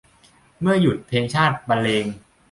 เมื่อหยุด เมื่อเพลงชาติบรรเลง